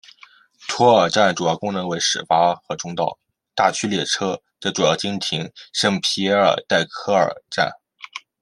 图尔站主要功能为始发和终到大区列车则主要经停圣皮耶尔代科尔站。